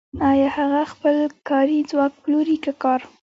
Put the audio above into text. آیا هغه خپل کاري ځواک پلوري که کار